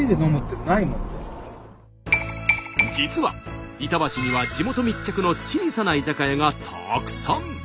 実は板橋には地元密着の小さな居酒屋がたくさん。